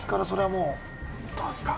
もうどうですか？